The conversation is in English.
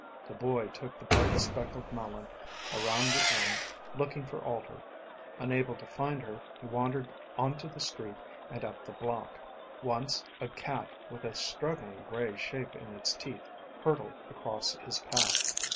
The boy took the bright speckled melon around the inn, looking for Alter. Unable to find her, he wandered onto the street and up the block. Once a cat with a struggling gray shape in its teeth hurtled across his path.